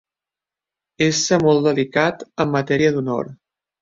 Ésser molt delicat en matèria d'honor.